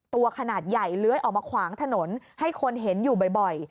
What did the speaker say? ตัวขนาดใหญ่เลื้อยออกมาขวางถนนให้คนเห็นอยู่บ่อย